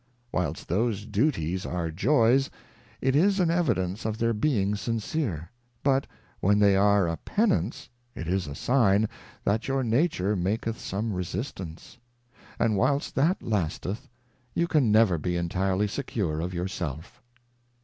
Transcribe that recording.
Whilst those Duties are Joys, it is an Evidence of their being sincere ; but when they are a Penance, it is a sign that your Nature maketh some resistance ; and whilst that lasteth, you can never be entirely secure of your self.